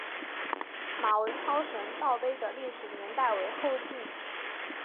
马文操神道碑的历史年代为后晋。